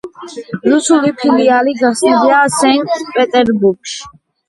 რუსული ფილიალი გახსნილია სანქტ-პეტერბურგში.